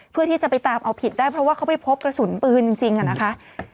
เพื่อที่จะไปตามเอาผิดได้เพราะว่าเขาไปพบกระสุนปืนจริงอะนะคะ